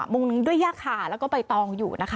มุงด้วยหญ้าคาแล้วก็ไปตองอยู่นะคะ